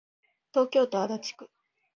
東京都足立区